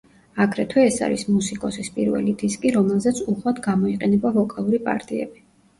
აგრეთვე, ეს არის მუსიკოსის პირველი დისკი, რომელზეც უხვად გამოიყენება ვოკალური პარტიები.